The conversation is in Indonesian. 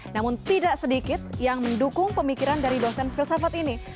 namun tidak sedikit yang mendukung pemikiran dari dosen filsafat ini